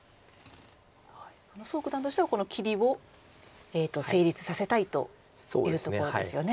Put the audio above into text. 蘇九段としてはこの切りを成立させたいというところですよね。